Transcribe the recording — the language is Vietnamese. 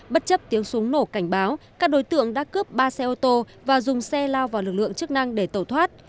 bất chấp tiếng súng nổ cảnh báo các đối tượng đã cướp ba xe ô tô và dùng xe lao vào lực lượng chức năng để tẩu thoát